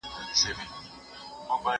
زه پرون ونې ته اوبه ورکوم،